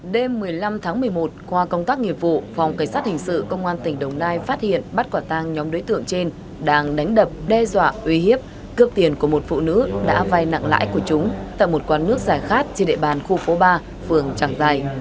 đêm một mươi năm tháng một mươi một qua công tác nghiệp vụ phòng cảnh sát hình sự công an tỉnh đồng nai phát hiện bắt quả tang nhóm đối tượng trên đang đánh đập đe dọa uy hiếp cướp tiền của một phụ nữ đã vay nặng lãi của chúng tại một quán nước giải khát trên địa bàn khu phố ba phường tràng giày